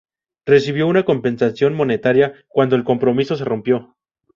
Recibió una compensación monetaria cuando el compromiso se rompió.